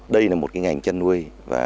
đây là một ngành chăn nuôi